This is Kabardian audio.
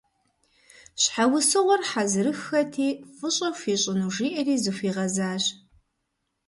Щхьэусыгъуэр хьэзырыххэти, фӏыщӏэ хуищӏыну жиӏэри, зыхуигъэзащ.